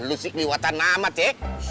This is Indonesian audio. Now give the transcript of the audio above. lo sih keliwatan amat ya